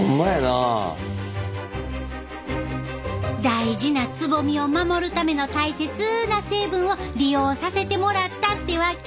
大事なつぼみを守るための大切な成分を利用させてもらったってわけ。